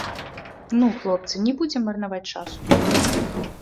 Ну, хлопцы, не будзем марнаваць часу.